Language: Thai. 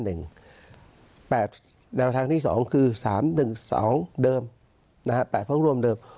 แนวทางที่สองคือสามหนึ่งสองเดิมนะฮะแปดพร้อมรวมเดิม